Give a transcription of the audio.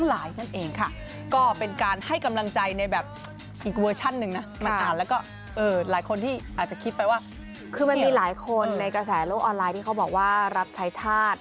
ลูกออนไลน์ที่เขาบอกว่ารับใช้ชาติ